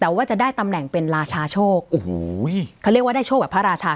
แต่ว่าจะได้ตำแหน่งเป็นราชาโชคโอ้โหเขาเรียกว่าได้โชคแบบพระราชา